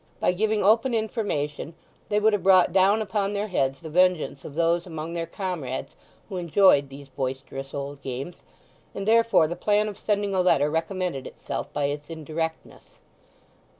By giving open information they would have brought down upon their heads the vengeance of those among their comrades who enjoyed these boisterous old games; and therefore the plan of sending a letter recommended itself by its indirectness.